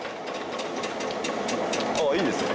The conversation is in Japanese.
ああいいですね。